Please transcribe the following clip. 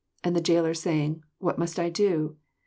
" and the Jailer saying, "What must I do?"